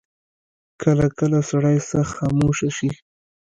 کله کله سړی سخت خاموشه شي.